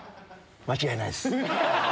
間違いないです。